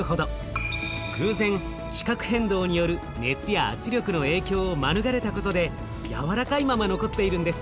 偶然地殻変動による熱や圧力の影響を免れたことでやわらかいまま残っているんです。